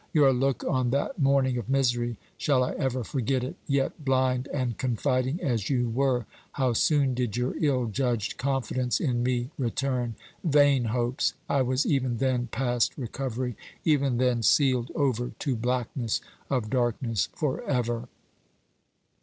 Your look on that morning of misery shall I ever forget it? Yet, blind and confiding as you were, how soon did your ill judged confidence in me return! Vain hopes! I was even then past recovery even then sealed over to blackness of darkness forever.